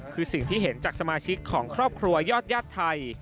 คือสิ่งที่เห็นจากสมาชิกของครอบครัวยอดญาติไทย